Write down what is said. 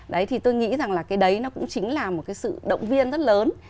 đấy thì tôi nghĩ rằng là cái đấy nó cũng chính là một cái sự động viên rất lớn